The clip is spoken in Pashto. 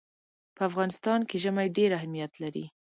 په افغانستان کې ژمی ډېر اهمیت لري.